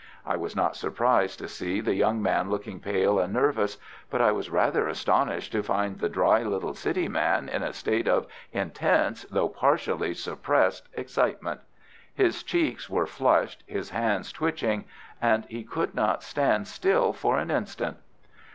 I was not surprised to see the young man looking pale and nervous, but I was rather astonished to find the dry little City man in a state of intense, though partially suppressed, excitement. His cheeks were flushed, his hands twitching, and he could not stand still for an instant.